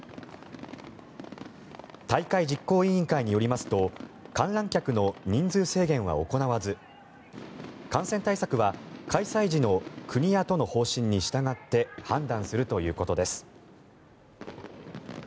大会実行委員会によりますと観覧客の人数制限は行わず感染対策は開催時の国や都の方針に従って判断するということです。